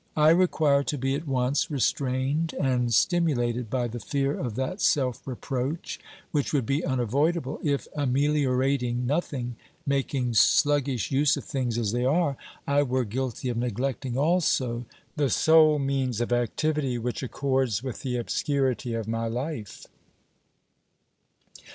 I require to be at once restrained and stimulated by the fear of that self reproach which would be unavoidable if, ameliorating nothing, making sluggish use of things as they are, I were guilty of neglecting also the sole means of activity which accords with the obscurity of my life.